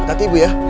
berhenti ibu ya